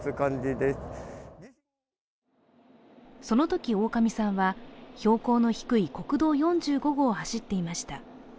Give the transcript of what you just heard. そのとき大上さんは、標高の低い国道４５号を走っていました。